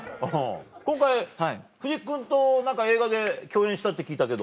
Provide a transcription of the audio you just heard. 今回藤木君と何か映画で共演したって聞いたけど。